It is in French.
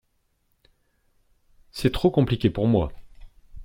C’est trop compliqué pour moi.